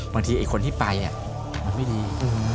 บางทีคนที่ไปมันไม่ดี